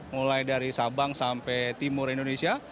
mulai dari sabang sampai timur indonesia